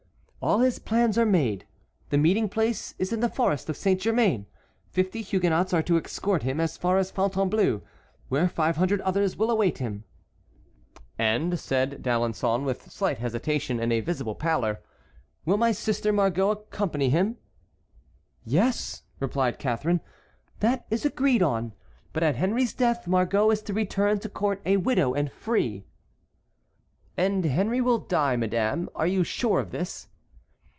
"All his plans are made. The meeting place is in the forest of Saint Germain. Fifty Huguenots are to escort him as far as Fontainebleau, where five hundred others will await him." "And," said D'Alençon, with a slight hesitation and visible pallor, "will my sister Margot accompany him?" "Yes," replied Catharine, "that is agreed on. But at Henry's death Margot is to return to court a widow and free." "And Henry will die, madame? Are you sure of this?"